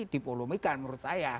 dipolomikan menurut saya